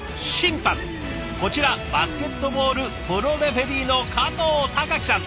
こちらバスケットボールプロレフェリーの加藤誉樹さん。